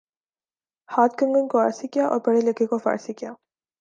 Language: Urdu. ہاتھ کنگن کو آرسی کیا اور پڑھے لکھے کو فارسی کیا